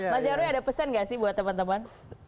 mas nyarwi ada pesan gak sih buat teman teman